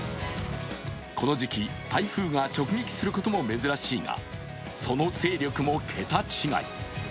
この時期、台風が直撃することも珍しいがその勢力も桁違い。